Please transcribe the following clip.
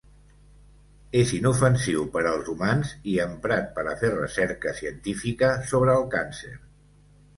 És inofensiu per als humans i emprat per a fer recerca científica sobre el càncer.